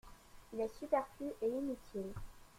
Il est superflu et inutile.